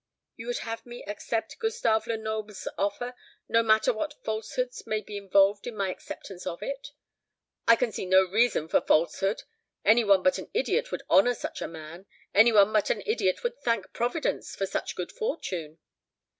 "You would have me accept Gustave Lenoble's offer, no matter what falsehoods may be involved in my acceptance of it?" "I can see no reason for falsehood. Any one but an idiot would honour such a man; any one but an idiot would thank Providence for such good fortune."